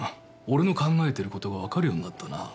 俺の考えてることが分かるようになったな。